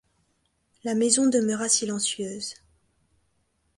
La maison demeura silencieuse.